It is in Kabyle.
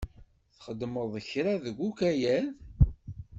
Txedmeḍ kra deg ukayad?